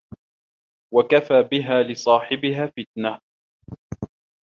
وَكَفَى بِهَا لِصَاحِبِهَا فِتْنَةً